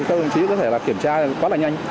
các đồng chí có thể là kiểm tra quá là nhanh